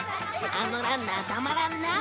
あのランナーたまらんな。